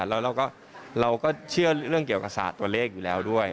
แล้วเราก็เชื่อเรื่องเกี่ยวกับศาสตร์ตัวเลขอยู่แล้วด้วย